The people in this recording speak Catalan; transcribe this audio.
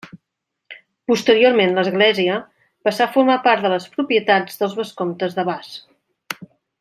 Posteriorment l'església passà a formar part de les propietats dels vescomtes de Bas.